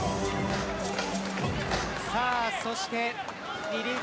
そしてリリーフ